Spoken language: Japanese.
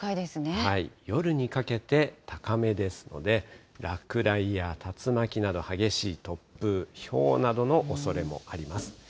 夜にかけて高めですので、落雷や竜巻など激しい突風、ひょうなどのおそれもあります。